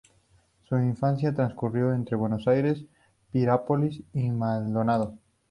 Su infancia transcurrió entre Buenos Aires, Piriápolis y Maldonado.